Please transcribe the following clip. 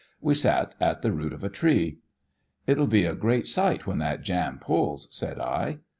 We sat at the root of a tree. "It'll be a great sight when that jam pulls," said I.